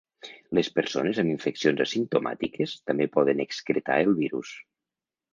Les persones amb infeccions asimptomàtiques també poden excretar el virus.